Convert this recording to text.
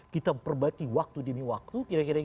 kita perbaiki waktu demi waktu